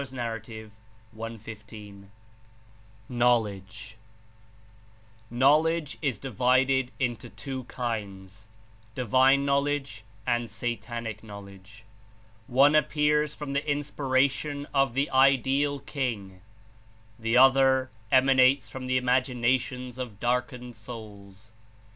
(T. N. 115.) 02 KNOWLEDGE "Knowledge Is divided Into two kinds — divine knowledge and satanIc knowledge. One appears from the Inspiration of the Ideal King; the other emanates from the Imaginations of darkened souls.